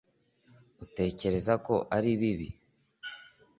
utekereza ko ari bibi